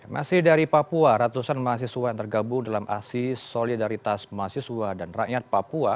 masih dari papua ratusan mahasiswa yang tergabung dalam aksi solidaritas mahasiswa dan rakyat papua